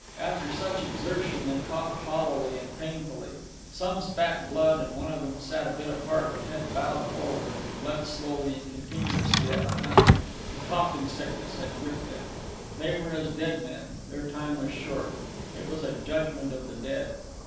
After such exertion they coughed hollowly and painfully. Some spat blood, and one of them sat a bit apart with head bowed forward, and bled slowly and continuously at the mouth; the coughing sickness had gripped them. They were as dead men; their time was short. It was a judgment of the dead.